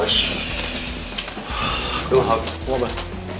aduh apa kabar